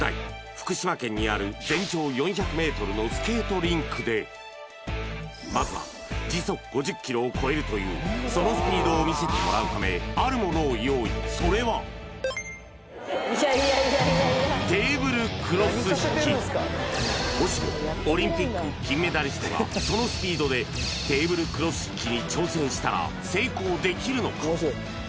福島県にある全長４００ｍのスケートリンクでまずは時速５０ｋｍを超えるというそのスピードを見せてもらうためそれはもしもオリンピック金メダリストがそのスピードでテーブルクロス引きに挑戦したら成功できるのか？